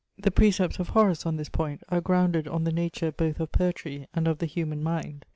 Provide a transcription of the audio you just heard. The precepts of Horace, on this point, are grounded on the nature both of poetry and of the human mind.